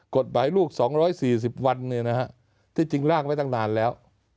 กฎบ่ายลูก๒๔๐วันเนี่ยนะฮะที่จริงร่างไว้ตั้งนานแล้ว